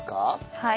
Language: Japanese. はい。